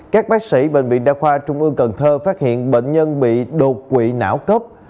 các bác sĩ bệnh viện đa khoa trung ương cần thơ phát hiện bệnh nhân bị đột quỵ não cấp